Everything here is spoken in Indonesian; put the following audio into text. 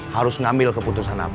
harus ngambil keputusan apa